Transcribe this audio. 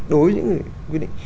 đối với những người quy định